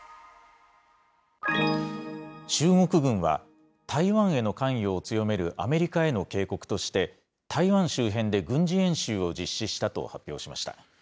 中国軍は、台湾への関与を強めるアメリカへの警告として、台湾周辺で軍事演習を実施したと発表しました。